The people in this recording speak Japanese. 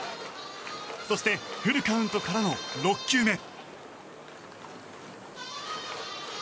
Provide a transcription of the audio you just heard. そしてフルカウントからの６球目。